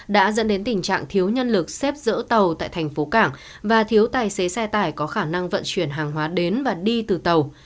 đã dẫn đến tình trạng thiếu nhân lực xếp dỡ tàu tại thành phố cảng và thiếu tài xế xe tải có khả năng vận chuyển hàng hóa đến và đi từ tàu